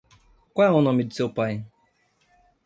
Qual é o nome do seu pai?